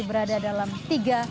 berada dalam tiga